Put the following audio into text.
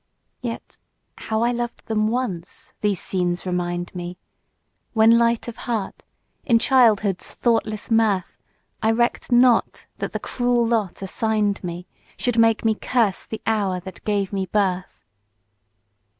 Yet, how I loved them once these scenes remind me, When light of heart, in childhood's thoughtless mirth, I reck'd not that the cruel lot assign'd me Should make me curse the hour that gave me birth!